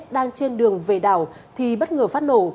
đang trên đường về đảo thì bất ngờ phát nổ